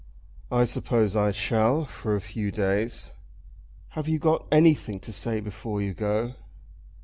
"I suppose I shall, for a few days." "Have you got anything to say before you go?"